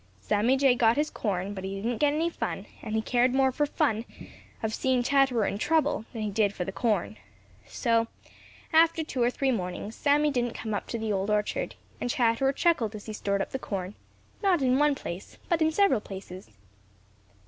Sammy Jay got his corn, but he didn't get any fun, and he cared more for the fun of seeing Chatterer in trouble than he did for the corn. So, after two or three mornings, Sammy didn't come up to the Old Orchard, and Chatterer chuckled as he stored up the corn, not in one place, but in several places.